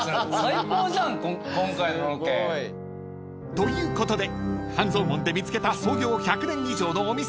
［ということで半蔵門で見つけた創業１００年以上のお店はこちら］